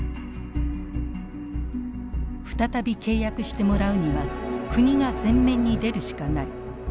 再び契約してもらうには国が前面に出るしかない。